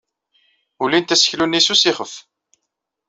Ulint aseklu-nni s usixef.